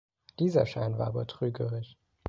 Dieser Schein war aber trügerisch.